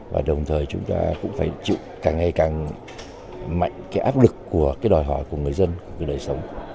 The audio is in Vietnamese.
và đồng thời chúng ta cũng phải chịu càng ngày càng mạnh cái áp lực của cái đòi hỏi của người dân của cái đời sống